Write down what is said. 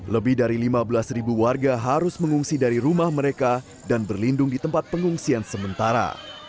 lebih dari lima belas ribu warga harus mengungsi dari rumah mereka dan berlindung di tempat pengungsian sementara